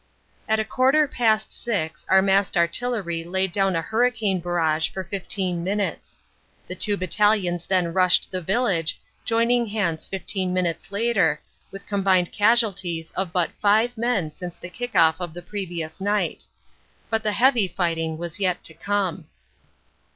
At a quarter past six our massed artillery laid down a hurricane barrage for fifteen minutes. The two battalions then rushed the village, joining hands fifteen minutes later, with combined casualties of but five men since the kick off of the previous night. But the heavy fighting was yet to come.